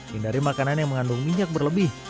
hindari makanan yang mengandung minyak berlebih